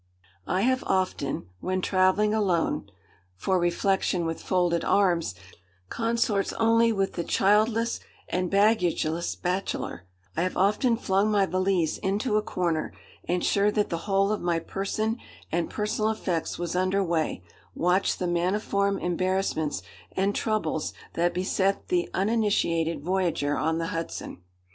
I have often, when travelling alone, (for "reflection with folded arms" consorts only with the childless and baggageless bachelor), I have often flung my valise into a corner, and sure that the whole of my person and personal effects was under way, watched the maniform embarrassments and troubles that beset the uninitiated voyager on the Hudson.